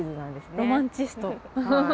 ロマンチスト。